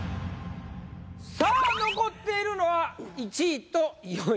さあ残っているのは１位と４位。